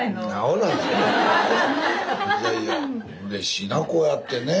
うれしいなこうやってねえ。